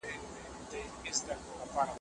فیصل باید له خپلې مور څخه بښنه غوښتې وای.